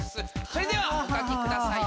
それではお書きください